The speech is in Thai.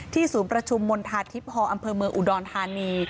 ที่สูงประชุมมณฑาทิพธ์ฮอล์อำเภอเมอร์อุดรธานี